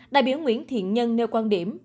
đại biểu nguyễn thiện nhân nêu quan điểm